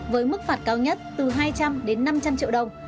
với mức phạt cao nhất từ hai trăm linh đến năm trăm linh triệu đồng